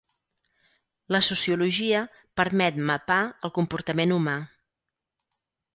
La sociologia permet mapar el comportament humà.